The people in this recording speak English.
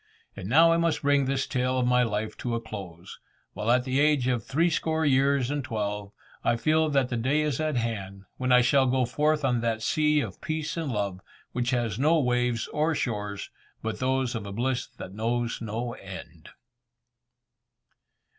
And now I must bring this tale of my life to a close, while at the age of three score years and twelve, I feel that the day is at hand, when I shall go forth on that sea of peace and love, which has no waves or shores but those of bliss that knows no end.